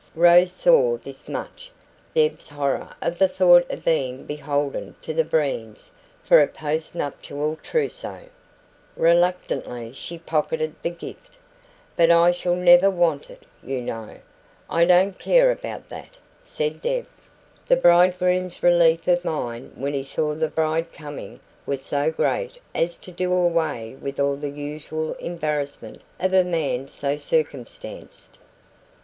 Rose saw this much Deb's horror of the thought of being beholden to the Breens for a post nuptial trousseau. Reluctantly she pocketed the gift. "But I shall never want it, you know." "I don't care about that," said Deb. The bridegroom's relief of mind when he saw the bride coming was so great as to do away with all the usual embarrassment of a man so circumstanced.